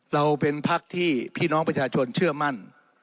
เราเป็นพักที่พี่น้องประชาชนเชื่อมั่น